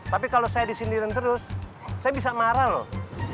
tapi kalau saya disindirin terus saya bisa marah loh